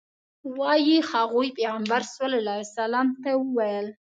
وایي هغوی پیغمبر صلی الله علیه وسلم ته وویل.